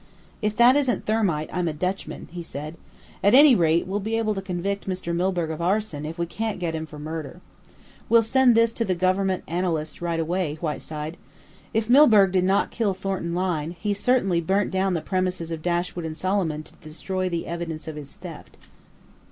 "If that isn't thermite, I'm a Dutchman," he said. "At any rate, we'll be able to convict Mr. Milburgh of arson if we can't get him for murder. We'll send this to the Government analyst right away, Whiteside. If Milburgh did not kill Thornton Lyne, he certainly burnt down the premises of Dashwood and Solomon to destroy the evidence of his theft."